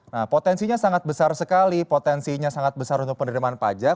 nah potensinya sangat besar sekali potensinya sangat besar untuk penerimaan pajak